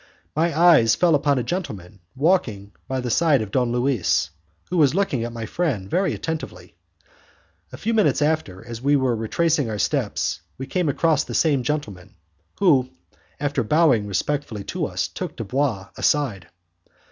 My eyes fell upon a gentleman walking by the side of Don Louis, who was looking at my friend very attentively. A few minutes after, as we were retracing our steps, we came across the same gentleman who, after bowing respectfully to us, took Dubois aside.